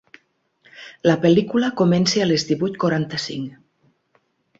La pel·lícula comença a les divuit quaranta-cinc.